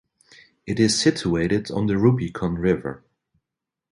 It is situated on the Rubicon River.